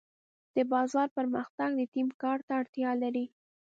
د بازار پرمختګ د ټیم کار ته اړتیا لري.